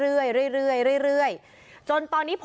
วิทยาลัยศาสตรี